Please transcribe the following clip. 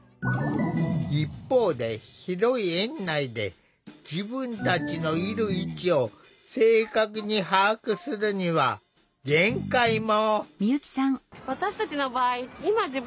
一方で広い園内で自分たちのいる位置を正確に把握するには限界も。